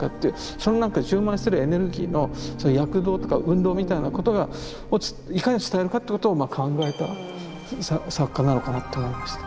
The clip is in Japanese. そのなんか充満してるエネルギーの躍動とか運動みたいなことがいかに伝えるかってことを考えた作家なのかなって思いました。